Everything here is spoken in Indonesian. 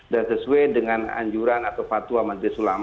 dan sesuai dengan anjuran atau fatwa menteri sulawesi